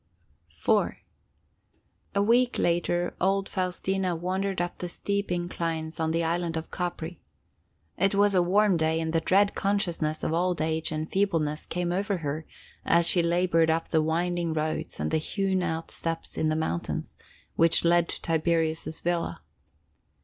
IV A week later, old Faustina wandered up the steep inclines on the Island of Capri. It was a warm day and the dread consciousness of old age and feebleness came over her as she labored up the winding roads and the hewn out steps in the mountain, which led to Tiberius' villa.